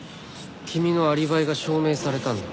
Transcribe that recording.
君のアリバイが証明されたんだ。